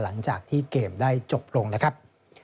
หลังจากที่เกมได้จบลงนะครับ